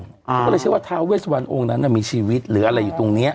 เขาก็เลยเชื่อว่าท้าเวสวันองค์นั้นมีชีวิตหรืออะไรอยู่ตรงนี้